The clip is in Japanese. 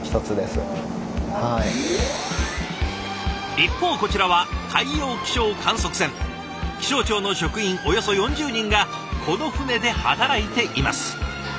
一方こちらは気象庁の職員およそ４０人がこの船で働いています。